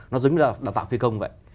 nó dứng như là đào tạo phi công vậy